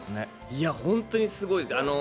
いや、本当にすごいです。